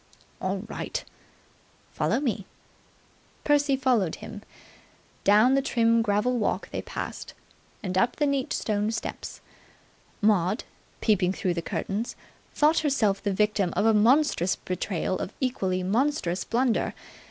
"All right." "Follow me." Percy followed him. Down the trim gravel walk they passed, and up the neat stone steps. Maud, peeping through the curtains, thought herself the victim of a monstrous betrayal or equally monstrous blunder.